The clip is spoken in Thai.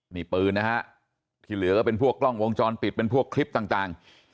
นี่ปืนนะฮะที่เหลือก็เป็นพวกกล้องวงจรปิดเป็นพวกคลิปต่าง